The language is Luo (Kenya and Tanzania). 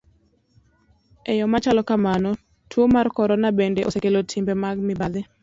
E yo machalo kamano, tuo mar corona bende osekelo timbe mag mibadhi.